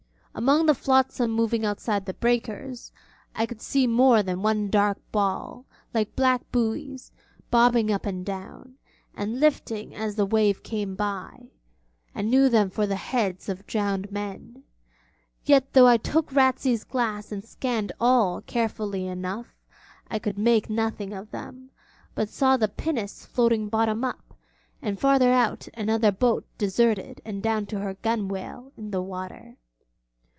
Among the flotsam moving outside the breakers I could see more than one dark ball, like black buoys, bobbing up and down, and lifting as the wave came by: and knew them for the heads of drowned men. Yet though I took Ratsey's glass and scanned all carefully enough, I could make nothing of them, but saw the pinnace floating bottom up, and farther out another boat deserted and down to her gunwale in the water.